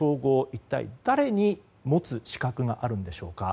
一体誰に持つ資格があるのでしょうか。